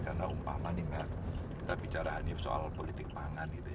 karena umpama nih kita bicara soal politik pangan gitu